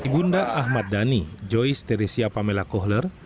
bunda ahmad dhani joyce teresia pamela kohler